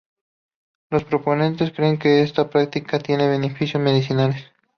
Los proponentes creen que esta práctica tiene beneficios medicinales.